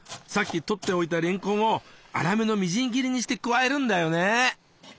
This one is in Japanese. さっき取っておいたれんこんを粗めのみじん切りにして加えるんだよね。